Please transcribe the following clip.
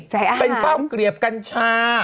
ใส่อาหารเป็นข้าวเกลียบกัญชา